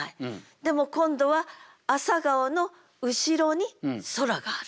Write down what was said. でも今度は「朝顔」の後ろに空がある。